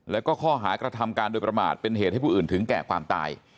แล้วก็ข้อหากระทำการโดยประมาทเป็นเหตุให้ผู้อื่นถึงแก่ความตาย